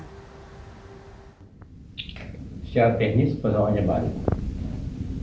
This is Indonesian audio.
secara teknis pesawatnya baik